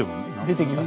出てきます。